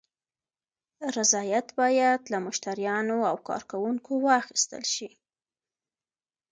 رضایت باید له مشتریانو او کارکوونکو واخیستل شي.